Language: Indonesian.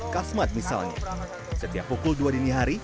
kasmat misalnya setiap pukul dua dini hari